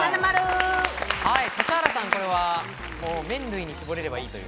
指原さん、これは麺類に絞ればいいという。